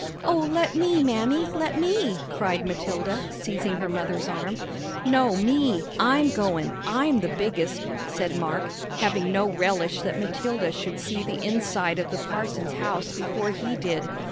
"Oh, let me, Mammy, let me," cried Matilda, seizing her mother's arm. "No, me; I'm goin'; I'm the biggest," said Mark, having no relish that Matilda should see the inside of the parson's house before he did.